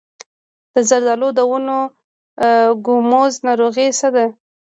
د زردالو د ونو ګوموز ناروغي څه ده؟